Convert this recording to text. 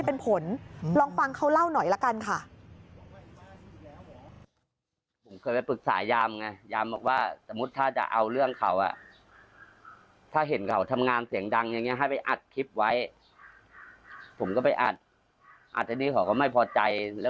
ไปคุยกับตำรวจแล้วนะแต่มันไม่เป็นผล